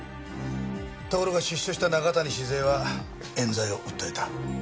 ところが出所した中谷静江は冤罪を訴えた。